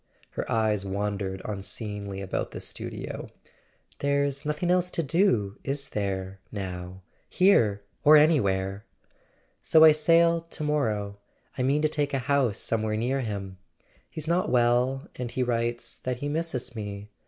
Her eyes wandered unseeingly about the studio. "There's nothing else to do, is there —now—here or anywhere? So I sail to morrow; I mean to take a house somewhere near him. He's not well, and he writes that he misses me.